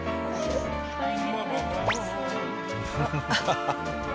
ハハハッ。